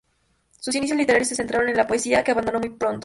Sus inicios literarios se centraron en la poesía, que abandonó muy pronto.